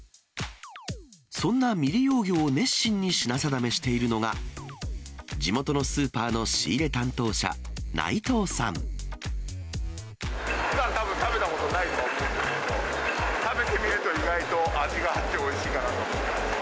そんな未利用魚を熱心に品定めしているのが、地元のスーパーの仕入れ担当者、ふだん、たぶん食べたことはないと思うんですけど、食べてみると意外と味があっておいしいかなと。